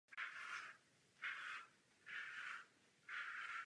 Ani v případě lokalizace Lštení se kronikáři nemůžou dohodnout.